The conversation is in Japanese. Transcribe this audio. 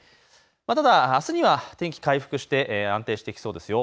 ただあすには天気、回復しそうで安定してきそうです。